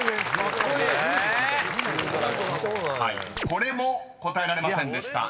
［これも答えられませんでした。